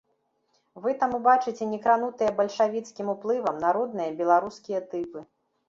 Вы там убачыце не кранутыя бальшавіцкім уплывам народныя беларускія тыпы.